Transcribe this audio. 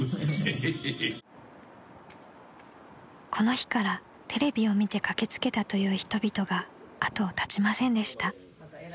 ［この日からテレビを見て駆け付けたという人々が後を絶ちませんでした］